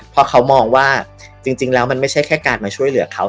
เพราะเขามองว่าจริงแล้วมันไม่ใช่แค่การมาช่วยเหลือเขา